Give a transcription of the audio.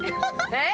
え？